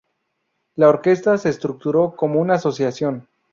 La orquesta se estructuró como una asociación.